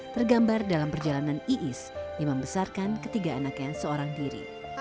tergambar dalam perjalanan iis yang membesarkan ketiga anaknya seorang diri